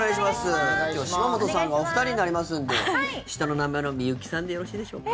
今日は島本さんがお二人になりますので下の名前の美由紀さんでよろしいでしょうか？